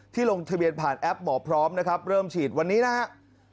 ลงทะเบียนผ่านแอปหมอพร้อมนะครับเริ่มฉีดวันนี้นะครับ